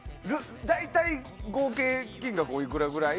大体合計金額おいくらぐらい？